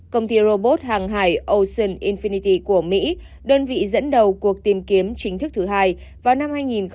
công ty robot hàng hải ocean infinity của mỹ đơn vị dẫn đầu cuộc tìm kiếm chính thức thứ hai vào năm hai nghìn hai mươi